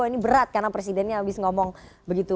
ini berat karena presidennya habis ngomong begitu